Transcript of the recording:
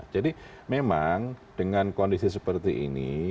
jadi memang dengan kondisi seperti ini